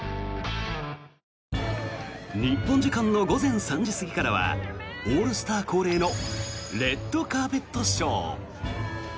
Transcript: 日本時間の午前３時過ぎからはオールスター恒例のレッドカーペットショー。